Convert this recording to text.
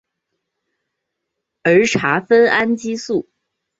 儿茶酚胺激素。